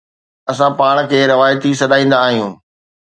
اسان پاڻ کي روايتي سڏيندا آهيون.